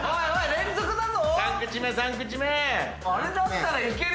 連続だぞ。